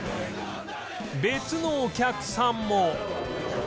別のお客さんも